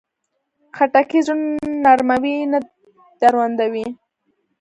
خټکی زړه نرموي، نه دروندوي.